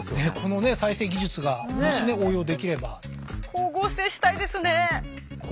光合成したいですね！